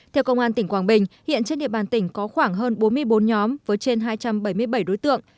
theo công an tỉnh quảng bình hiện trên địa bàn tỉnh có khoảng hơn bốn mươi bốn nhóm với trên hai trăm bảy mươi bảy đối tượng